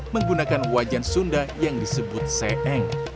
menggunakan wajan sunda yang disebut seeng